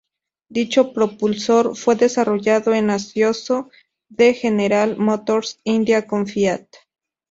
Dicho propulsor fue desarrollado en asocio de General Motors India con Fiat.